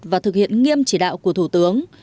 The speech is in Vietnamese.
và thực hiện nghiêm chỉ đạo của các bộ ngành địa phương